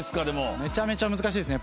めちゃめちゃ難しいですね。